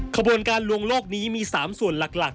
ขบวนการลวงโลกนี้มี๓ส่วนหลัก